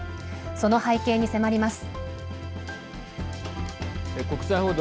その背景に迫ります。